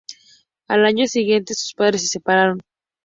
Al año siguiente sus padres se separaron.